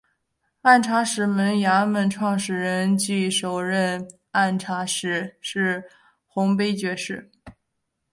按察使司衙门创设人暨首任按察使是洪卑爵士。